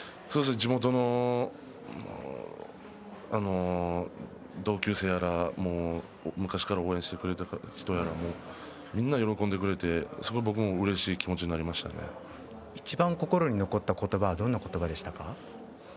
地元の同級生や昔から応援してくれている人やみんな喜んでくれてすごく僕もうれしい気持ちにいちばん心に残った言葉はどんな言葉でしたか。